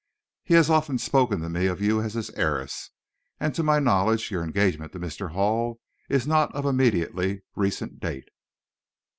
He has often spoken to me of you as his heiress, and to my knowledge, your engagement to Mr. Hall is not of immediately recent date."